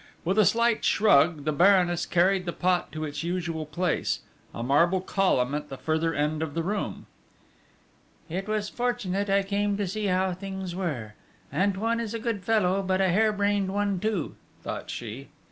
With a slight shrug, the Baroness carried the pot to its usual place a marble column at the further end of the room: "It was fortunate I came to see how things were! Antoine is a good fellow, but a hare brained one too!" thought she.